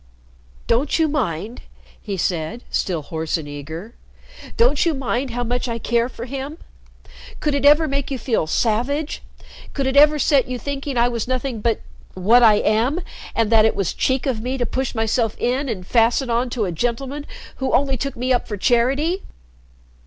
"Don't you mind?" he said, still hoarse and eager "don't you mind how much I care for him? Could it ever make you feel savage? Could it ever set you thinking I was nothing but what I am and that it was cheek of me to push myself in and fasten on to a gentleman who only took me up for charity?